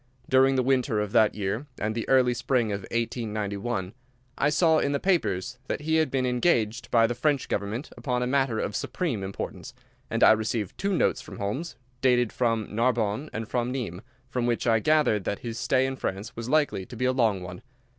During the winter of that year and the early spring of 1891, I saw in the papers that he had been engaged by the French government upon a matter of supreme importance, and I received two notes from Holmes, dated from Narbonne and from Nimes, from which I gathered that his stay in France was likely to be a long one.